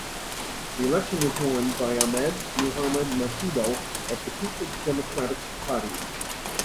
The election was won by Ahmed Muhammad Maccido of the Peoples Democratic Party.